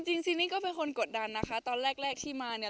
ซีนี่ก็เป็นคนกดดันนะคะตอนแรกที่มาเนี่ย